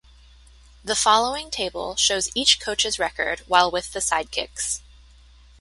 The following table shows each coach's record while with the Sidekicks.